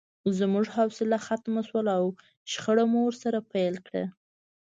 زموږ حوصله ختمه شوه او شخړه مو ورسره پیل کړه